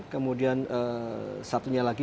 kemudian satunya lagi